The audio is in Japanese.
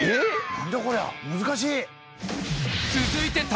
何だこりゃ難しい。